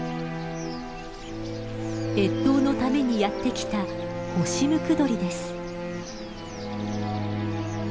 越冬のためにやって来たホシムクドリです。